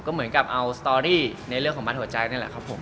เหมือนกับเอาสตอรี่ในเรื่องของมัดหัวใจนี่แหละครับผม